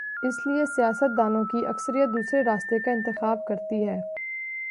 اس لیے سیاست دانوں کی اکثریت دوسرے راستے کا انتخاب کر تی ہے۔